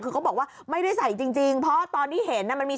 คือเขาบอกว่าไม่ได้ใส่จริงเพราะตอนที่เห็นมันมี